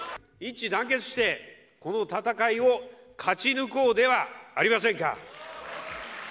一致団結して、この戦いを勝ち抜こうではありませんか。